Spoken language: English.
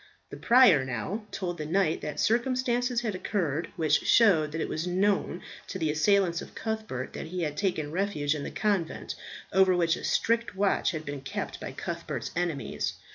The prior now told the knight that circumstances had occurred, which showed that it was known to the assailants of Cuthbert that he had taken refuge in the convent, over which a strict watch had been kept by Cuthbert's enemies.